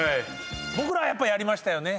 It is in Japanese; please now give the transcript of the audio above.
僕らはやっぱやりましたよね。